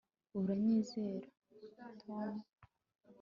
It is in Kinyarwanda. uranyizera, tom